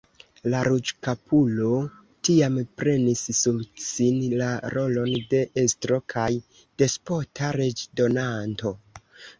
La ruĝkapulo tiam prenis sur sin la rolon de estro kaj despota leĝdonanto.